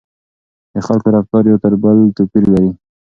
د خلکو رفتار یو تر بل توپیر لري.